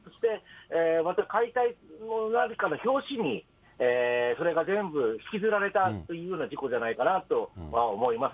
また解体の何かの拍子にそれが全部引きずられたというような事故じゃないかなと思います。